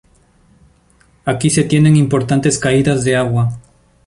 Aquí se tienen importantes caídas de agua.